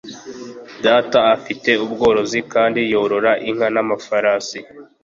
Data afite ubworozi kandi yorora inka n'amafarasi.